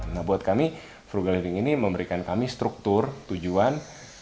nah buat kami frugal living ini memberikan kami struktur tujuan